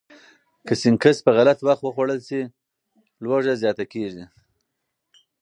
که سنکس په غلط وخت وخوړل شي، لوږه زیاته کېږي.